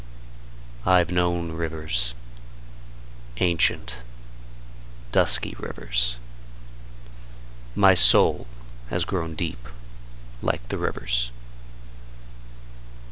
I've known rivers: Ancient, dusky rivers. My soul has grown deep like the rivers.